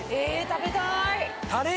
食べたい！